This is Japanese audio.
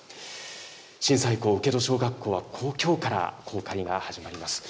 震災遺構、請戸小学校はきょうから公開が始まります。